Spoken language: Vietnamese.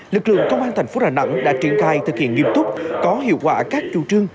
lực lượng công an thành phố đà nẵng đã triển khai thực hiện nghiêm túc có hiệu quả các chủ trương